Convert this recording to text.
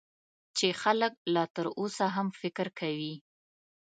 چې خلک لا تر اوسه هم فکر کوي .